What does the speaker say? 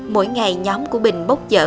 mỗi ngày nhóm của bình bốc dở